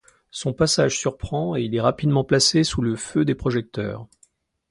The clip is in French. Son passage surprend et il est rapidement placé sous le feu des projecteurs.